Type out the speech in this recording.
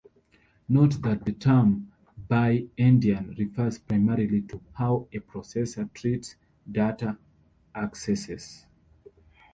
Note that the term "bi-endian" refers primarily to how a processor treats "data" accesses.